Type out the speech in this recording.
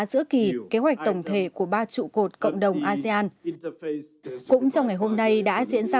giữa kỳ kế hoạch tổng thể của ba trụ cột cộng đồng asean cũng trong ngày hôm nay đã diễn ra